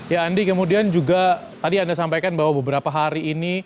ya andi kemudian juga tadi anda sampaikan bahwa beberapa hari ini